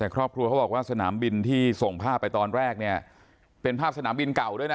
ครอบครัวเขาบอกว่าสนามบินที่ส่งภาพไปตอนแรกเนี่ยเป็นภาพสนามบินเก่าด้วยนะ